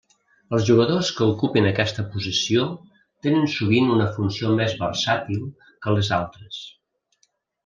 Els jugadors que ocupen aquesta posició tenen sovint una funció més versàtil que les altres.